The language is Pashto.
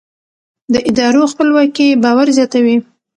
د ادارو خپلواکي باور زیاتوي